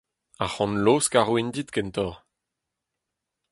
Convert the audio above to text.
Arc'hant laosk a roin dit kentoc'h.